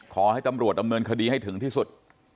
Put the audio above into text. ขอให้ตำรวจดำเนินคดีให้ถึงที่สุด